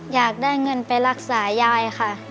อยากได้เงินไปรักษายายค่ะ